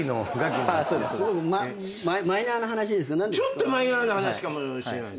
ちょっとマイナーな話かもしれない。